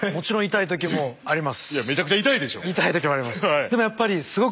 痛い時もあります。